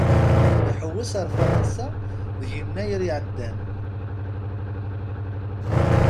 Ihewwes ar Fransa deg Yennayer iɛeddan.